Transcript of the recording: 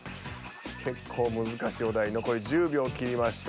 結構難しいお題残り１０秒切りました。